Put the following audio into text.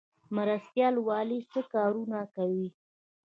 مرستیال والي څه کارونه کوي؟